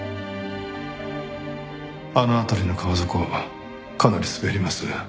あの辺りの川底かなり滑ります。